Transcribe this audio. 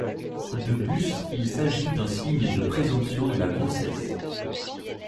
De plus, il s'agit d'un signe de présomption de la grossesse.